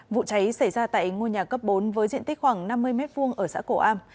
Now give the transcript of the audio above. vụ cháy xảy ra tại ngôi nhà cấp bốn với diện tích khoảng năm mươi m hai ở xã cổ am